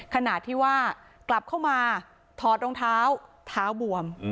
ขณะที่ว่ากลับเข้ามาถอดรองเท้าเท้าบวม